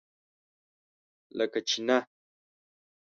لکه چینۀ!